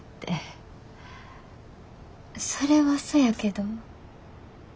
それはそやけど。